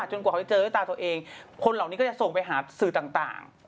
กว่าเขาจะเจอด้วยตาตัวเองคนเหล่านี้ก็จะส่งไปหาสื่อต่าง